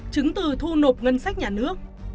chứng từ thu nộp ngân sách nhà nước